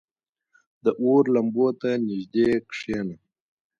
• د اور لمبو ته نږدې کښېنه.